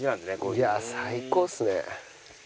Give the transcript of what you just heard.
いや最高ですね。